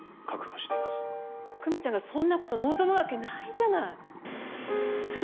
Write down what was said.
久美ちゃんがそんなこと望むわけないじゃない！